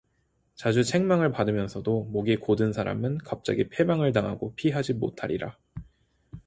자주 책망을 받으면서도 목이 곧은 사람은 갑자기 패망을 당하고 피하지 못하리라